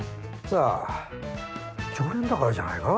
さあ常連だからじゃないか？